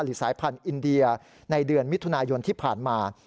สายพันธุ์อินเดียในเดือนมิถุนายนที่ผ่านมา